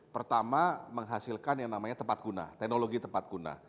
pertama menghasilkan yang namanya tempat guna teknologi tempat guna